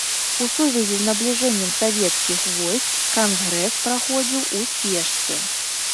У сувязі з набліжэннем савецкіх войск кангрэс праходзіў у спешцы.